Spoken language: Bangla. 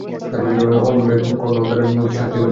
আমনেরাই কন বাপ দাদার কাম মুইকি ছাড়তে পারি।